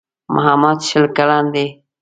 محمد شل کلن دی.